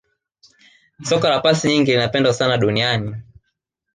soka la pasi nyingi linapendwa sana duniani